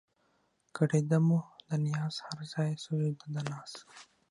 کړېده مو ده نياز هر ځای سجده د ناز